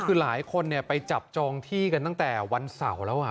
คือหลายคนไปจับจองที่กันตั้งแต่วันเสาร์แล้ว